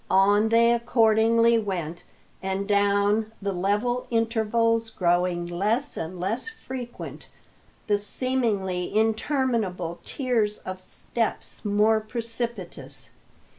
On they accordingly went, and down, the level intervals growing less and less frequent, the seemingly interminable tiers of steps more precipitous.